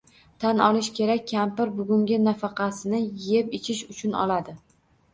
Tan olish kerak, kampir bugungi nafaqasini "yeb -ichish" uchun oladi